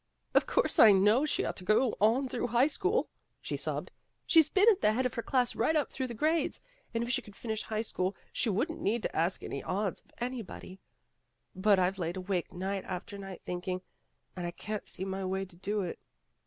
"Of course I know she ought to go on through high school, '' she sobbed. She 's been at the head of her class right up through the grades, and if she could finish high school, she wouldn't need to ask any odds of anybody. But I've laid awake night after night thinking, and I can't see my way to do it."